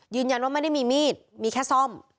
ยืนยันว่าไม่ได้มีมีดมีแค่ซ่อม